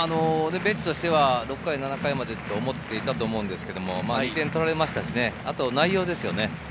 ベンチとしては６回７回までと思っていたと思うんですけど、２点取られましたし、内容ですね。